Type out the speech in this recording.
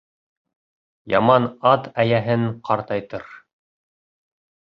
Яман ат әйәһен ҡартайтыр